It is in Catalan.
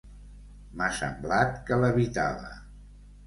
M'ha semblat que levitava.